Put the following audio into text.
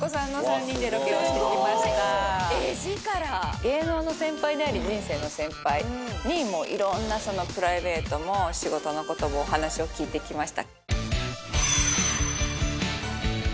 芸能の先輩であり人生の先輩に色んなプライベートも仕事のこともお話を聞いてきました。